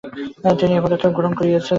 তিনি এই পদক্ষেপ গ্রহণ করেছিলেন।